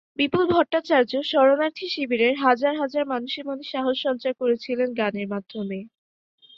বিপুল ভট্টাচার্য শরণার্থী শিবিরের হাজার হাজার মানুষের মনে সাহস সঞ্চার করেছিলেন গানের মাধ্যমে।